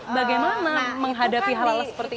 bagaimana menghadapi hal seperti itu